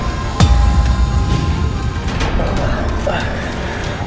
ya allah bapak